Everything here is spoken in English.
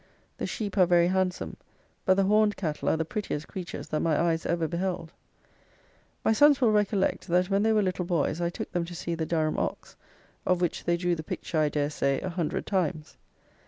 The sheep are very handsome; but the horned cattle are the prettiest creatures that my eyes ever beheld. My sons will recollect that when they were little boys I took them to see the "Durham Ox," of which they drew the picture, I dare say, a hundred times.